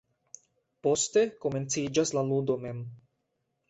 Poste komenciĝas la ludo mem.